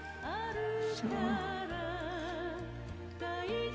そう。